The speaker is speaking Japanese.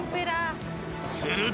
［すると］